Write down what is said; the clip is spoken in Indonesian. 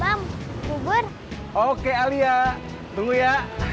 bang bubur oke alia tunggu ya